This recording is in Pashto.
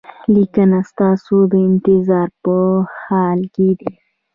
لینک ستاسو د انتظار په حال کې دی.